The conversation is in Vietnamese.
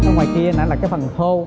ngoài kia nãy là cái phần thô